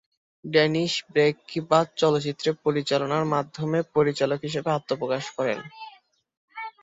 Danish "Break Ke Baad" চলচ্চিত্রে পরিচালনার মাধ্যমে পরিচালক হিসেবে আত্মপ্রকাশ করেন।